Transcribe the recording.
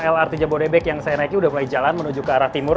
lrt jabodebek yang saya naiki sudah mulai jalan menuju ke arah timur